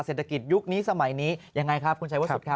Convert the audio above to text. เศรษฐกิจยุคนี้สมัยนี้ยังไงครับคุณชัยวัดสุทธิครับ